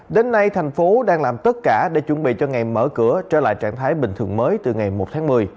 đến nay thành phố đang làm tất cả để chuẩn bị cho ngày mở cửa trở lại trạng thái bình thường mới từ ngày một tháng một mươi